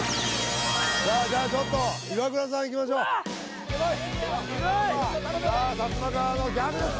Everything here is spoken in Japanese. さあじゃあちょっとイワクラさんいきましょううわ頼むでさあサツマカワのギャグです